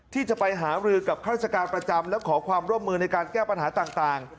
ที่จะไปหารือกับข้าราชการประจำและขอความร่วมมือในการแก้ปัญหาต่าง